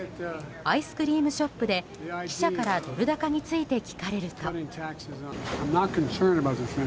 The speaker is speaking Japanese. アイスクリームショップで記者からドル高について聞かれると。